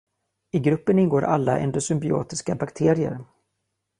I gruppen ingår alla endosymbiotiska bakterier.